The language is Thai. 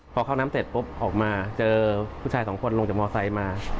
พอเข้าน้ำเสร็จปุ๊บออกมาเจอผู้ชายสองคนลงจากมอไซค์มา